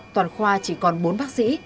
toàn khoa chỉ còn bốn bác sĩ